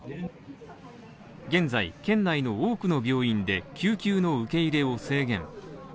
現在、県内の多くの病院で救急の受け入れを制限。